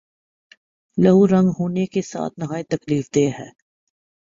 لہو رنگ ہونے کے ساتھ نہایت تکلیف دہ ہے